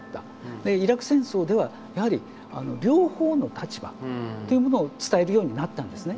イラク戦争ではやはり両方の立場というものを伝えるようになったんですね。